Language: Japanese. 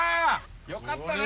よかったね。